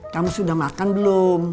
kamu sudah makan belum